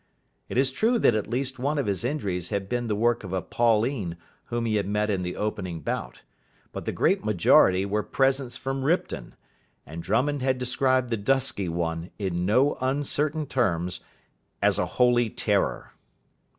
It is true that at least one of his injuries had been the work of a Pauline whom he had met in the opening bout; but the great majority were presents from Ripton, and Drummond had described the dusky one, in no uncertain terms, as a holy terror.